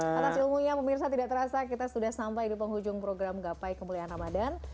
atas ilmunya pemirsa tidak terasa kita sudah sampai di penghujung program gapai kemuliaan ramadhan